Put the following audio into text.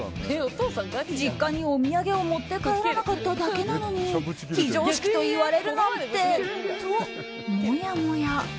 実家にお土産を持って帰らなかっただけなのに非常識と言われるなんて、ともやもや。